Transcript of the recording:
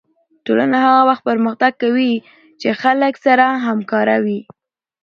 ټولنه هغه وخت پرمختګ کوي چې خلک سره همکاره وي